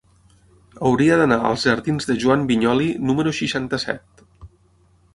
Hauria d'anar als jardins de Joan Vinyoli número seixanta-set.